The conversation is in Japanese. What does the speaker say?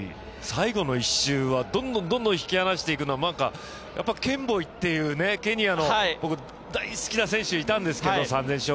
最後の１周はどんどん引き離していくのはケンボイっていう、大好きな選手がいたんですけど３０００ｍの。